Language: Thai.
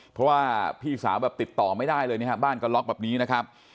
เพราะว่าพี่สาวแบบติดต่อไม่ได้เลยนะครับบ้านก็ล็อกแบบนี้นะครับ